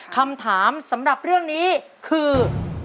คำถามสำหรับเรื่องนี้คือ